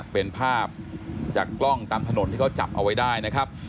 เป็นภาพจากกล้องตามถนนที่เขาจับเอาไว้ได้นะครับ